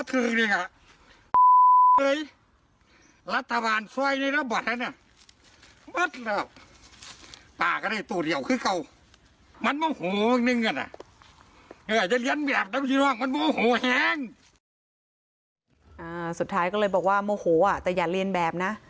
สุดท้ายก็เลยบอกว่าโมโหแต่อย่าเรียนแบบนะ